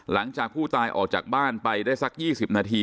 หลังจากผู้ตายออกจากบ้านไปได้สัก๒๐นาที